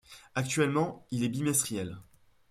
Actuellement, il est bimestriel.